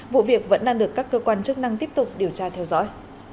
vụ việc vẫn đang được các cơ quan chức năng tiếp tục điều tra theo dõi